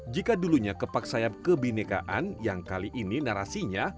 jika dulunya kepaksaian kebinekaan yang kali ini narasinya